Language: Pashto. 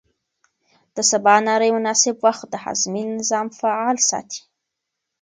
د سباناري مناسب وخت د هاضمې نظام فعال ساتي.